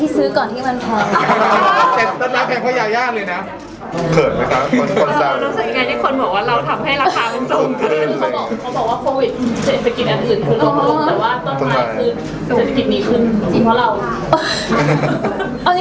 จริงเพราะเรา